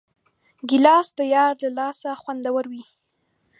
ګیلاس د یار له لاسه خوندور وي.